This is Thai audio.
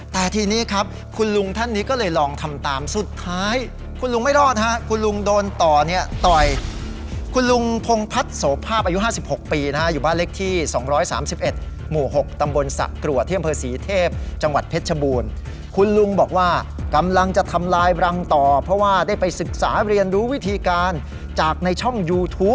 แต่ทีนี้ครับคุณลุงท่านนี้ก็เลยลองทำตามสุดท้ายคุณลุงไม่รอดฮะคุณลุงโดนต่อเนี่ยต่อยคุณลุงพงพัฒน์โสภาพอายุ๕๖ปีนะฮะอยู่บ้านเลขที่๒๓๑หมู่๖ตำบลสะกรัวที่อำเภอศรีเทพจังหวัดเพชรชบูรณ์คุณลุงบอกว่ากำลังจะทำลายรังต่อเพราะว่าได้ไปศึกษาเรียนรู้วิธีการจากในช่องยูทูป